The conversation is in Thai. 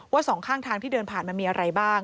สองข้างทางที่เดินผ่านมันมีอะไรบ้าง